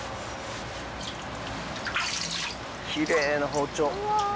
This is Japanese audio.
きれいな包丁。